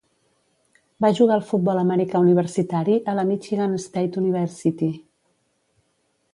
Va jugar al futbol americà universitari a la Michigan State University.